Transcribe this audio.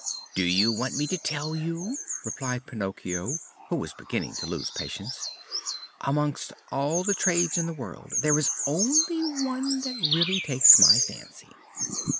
"Do you want me to tell you?" replied Pinocchio, who was beginning to lose patience. "Amongst all the trades in the world there is only one that really takes my fancy."